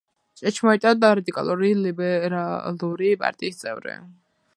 ჭეშმარიტად რადიკალური ლიბერალური პარტიის წევრი.